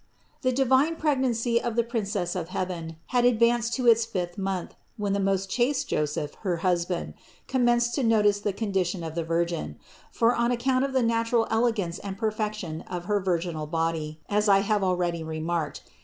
375. The divine pregnancy of the Princess of heaven had advanced to its fifth month when the most chaste Joseph, her husband, commenced to notice the condition of the Virgin ; for on account of the natural elegance and perfection of her virginal body, as I have already re marked (No.